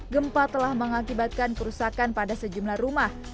gempa telah mengakibatkan kerusakan pada sejumlah rumah